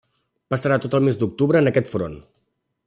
Passarà tot el mes d'octubre en aquest front.